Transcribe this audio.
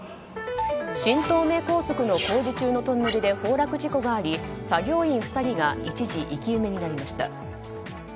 新東名高速の工事中のトンネルで崩落事故があり作業員２人が一時生き埋めになりました。